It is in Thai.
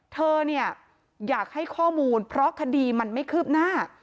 เธอเนี่ยอยากให้ข้อมูลเพราะคดีมันไม่คืบหน้า